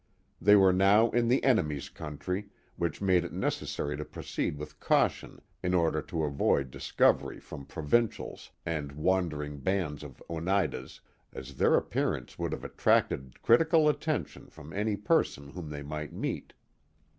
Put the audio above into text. They were now in the enemy's country, which made it necessary to proceed with caution in order to avoid discovery from provincials and wandering bands of Oneidas, as their appearance would have attracted critical attention from any person whom they might meet.